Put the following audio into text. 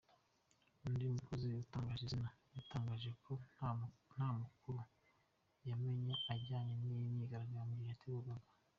Undi mukozi utatangajwe izina yatangaje ko nta makuru yamenye ajyanye n’imyigaragambyo yategurwaga.